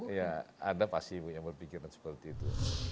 iya ada pasti bu yang berpikiran seperti itu